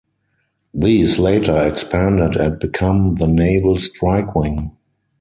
These later expanded and become the Naval Strike Wing.